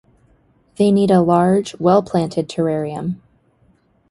They need a large, well planted terrarium.